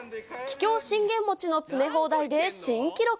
桔梗信玄餅の詰め放題で新記録。